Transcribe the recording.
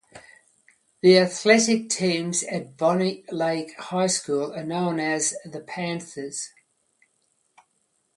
The athletic teams at Bonney Lake High School are known as the Panthers.